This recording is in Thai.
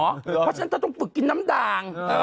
เพราะฉะนั้นเธอต้องฝึกกินน้ำด่าง